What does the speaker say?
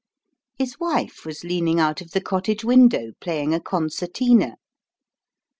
" His wife was lean ing out of the cottage window playing a concertina.